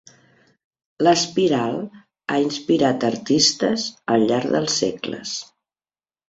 L'espiral ha inspirat artistes al llarg dels segles.